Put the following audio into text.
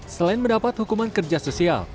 selain mendapat hukuman kerja sosial